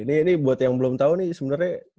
ini buat yang belum tau nih sebenernya